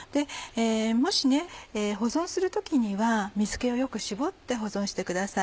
もし保存する時には水気をよく絞って保存してください。